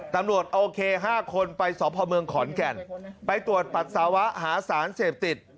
ตำรวจโอเค๕คนไปสพเมืองขอนแก่นไปตรวจปัสสาวะหาสารเสพติด